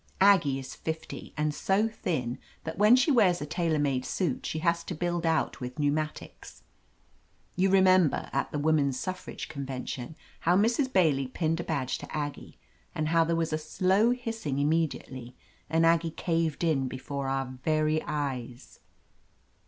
Aggie is fifty, and so thin that when she wears a tailor made suit she has to build out with pneumatics. You remember, at the Woman's Suffrage Convention, how Mrs. Bailey pinned a badge to Aggie, and how there was a slow hissing immediately, and Aggie caved in be fore our very eyes